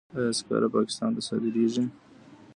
آیا سکاره پاکستان ته صادریږي؟